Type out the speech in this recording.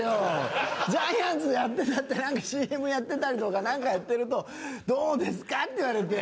ジャイアンツのやってたってなんかＣＭやってたりとかなんかやってると「どうですか？」って言われて。